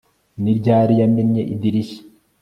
Ni ryari yamennye idirishya